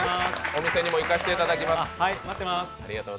お店にも行かせていただきます。